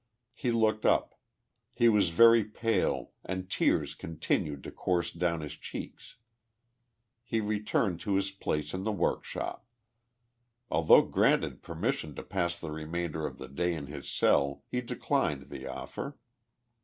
He looked up. He was very pale and tears continued to course down his cheeks. lie returned to his place in the workshop. Although granted permission to pass the remainder of the day in his cell he declined the offer.